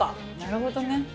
なるほどね。